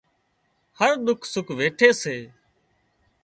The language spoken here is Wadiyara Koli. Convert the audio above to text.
هر ڏُک سُک ويٺي سي